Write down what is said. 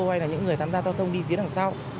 hay là những người tham gia giao thông đi phía đằng sau